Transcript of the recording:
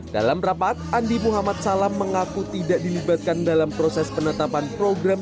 dalam rapat andi muhammad salam mengaku tidak dilibatkan dalam proses penetapan program